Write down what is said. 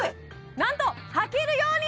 何とはけるように！